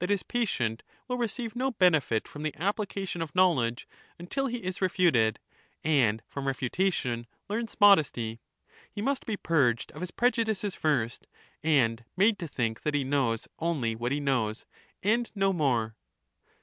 his patient will receive no benefit from the application of knowledge until he is refuted, and from refutation learns modesty; he must be purged of his prejudices first and made to think that he knows only what he knows, and no more.